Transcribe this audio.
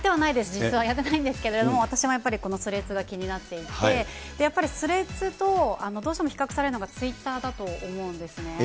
実はやってないんですけども、私もやっぱりこのスレッズが気になっていて、やっぱりスレッズと、どうしても比較されるのがツイッターだと思うんですね。